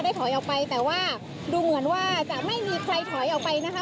ถอยออกไปแต่ว่าดูเหมือนว่าจะไม่มีใครถอยออกไปนะคะ